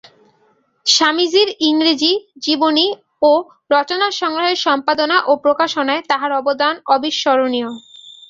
স্বামীজীর ইংরেজী জীবনী ও রচনাসংগ্রহের সম্পাদনা ও প্রকাশনায় তাঁহার অবদান অবিস্মরণীয়।